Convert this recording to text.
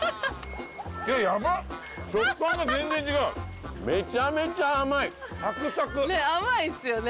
いやヤバっ食感が全然違うめちゃめちゃ甘いサクサクねえ甘いっすよね